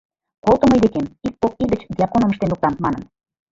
Колто мый декем, ик-кок ий гыч дьяконым ыштен луктам, — манын.